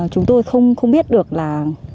chúng tôi không biết được là